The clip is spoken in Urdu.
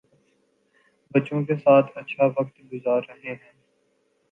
بچوں کے ساتھ اچھا وقت گذار رہے ہیں